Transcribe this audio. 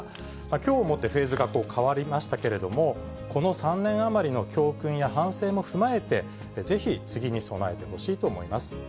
きょうをもってフェーズが変わりましたけれども、この３年余りの教訓や反省も踏まえて、ぜひ次に備えてほしいと思います。